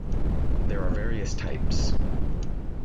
There are various types.